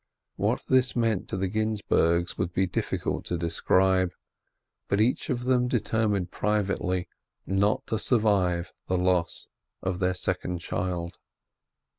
What this meant to the Ginzburgs would be difficult to describe, but each of them determined privately not to survive the loss of their second child.